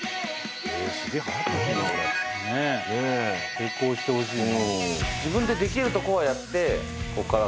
成功してほしいな。